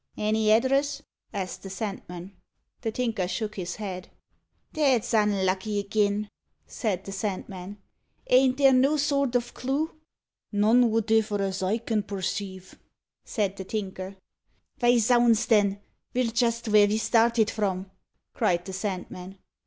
"Any address?" asked the Sandman. The Tinker shook his head. "That's unlucky agin," said the Sandman. "Ain't there no sort o' clue?" "None votiver, as I can perceive," said the Tinker. "Vy, zounds, then, ve're jist vere ve started from," cried the Sandman.